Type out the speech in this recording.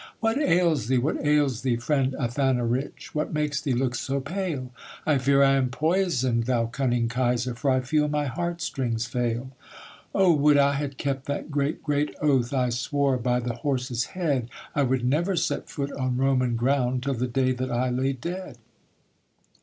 'What ails thee, what ails thee, friend Athanarich? What makes thee look so pale?' 'I fear I am poisoned, thou cunning Kaiser, For I feel my heart strings fail. 'Oh would I had kept that great great oath I swore by the horse's head, I would never set foot on Roman ground Till the day that I lay dead.